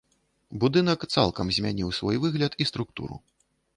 Будынак цалкам змяніў свой выгляд і структуру.